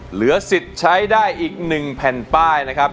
เหลือสิทธิ์ใช้ได้อีก๑แผ่นป้ายนะครับ